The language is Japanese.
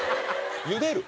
ゆでる？